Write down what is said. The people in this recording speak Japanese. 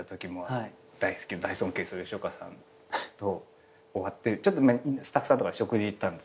大尊敬する吉岡さんと終わってスタッフさんとか食事行ったんです。